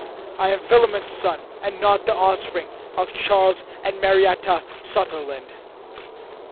I am Philemon's son and not the offspring of Charles and Marietta Sutherland!"